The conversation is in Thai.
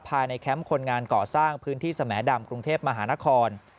แคมป์คนงานก่อสร้างพื้นที่สแหมดำกรุงเทพมหานคร